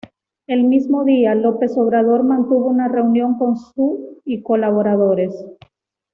El mismo día, López Obrador mantuvo una reunión con su y colaboradores.